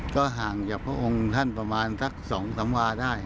ก็ห่างจากพระองค์ท่านประมาณสัก๒๓วาได้